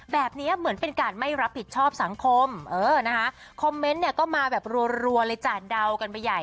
แบบเนี้ยเหมือนเป็นการไม่รับผิดชอบสังคมเออนะคะ